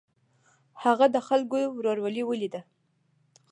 هغه د خلکو ورورولي ولیده.